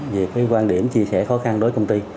về quan điểm chia sẻ khó khăn đối với công ty